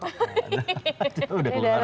udah keluar kan ya